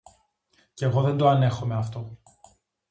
Κι εγώ δεν το ανέχομαι αυτό.